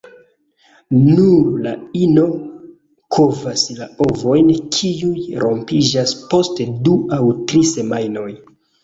Nur la ino kovas la ovojn, kiuj rompiĝas post du aŭ tri semajnoj.